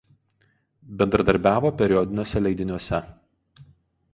Bendradarbiavo periodiniuose leidiniuose.